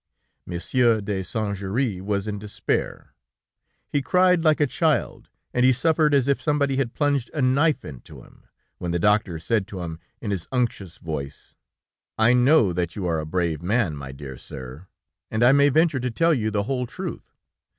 Monsieur de Saint Juéry was in despair; he cried like a child, and he suffered as if somebody had plunged a knife into him, when the doctor said to him in his unctuous voice: "I know that you are a brave man, my dear sir, and I may venture to tell you the whole truth....